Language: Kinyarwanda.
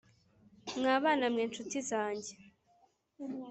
mwa bana mwe nshuti zange